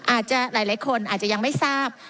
อาจจะหลายคนอาจจะยังไม่ทราบ